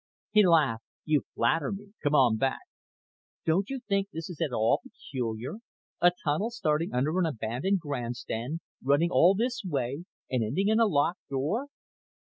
He laughed. "You flatter me. Come on back." "Don't you think this is at all peculiar? A tunnel starting under an abandoned grandstand, running all this way and ending in a locked door?"